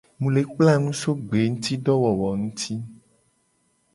Mu le kpla nu so gbengutidowowo nguti.